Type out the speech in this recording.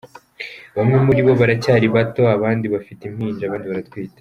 Bamwe muri bo baracyari bato, abandi bafite impinja, abandi baratwite.